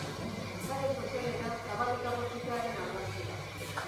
Sare sozialetan zabaldutako sutearen argazkia.